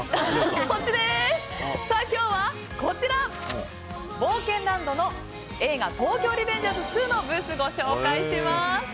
今日はこちら冒険ランドの映画「東京リベンジャーズ２」のブースをご紹介します。